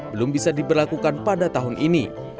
belum bisa diberlakukan pada tahun ini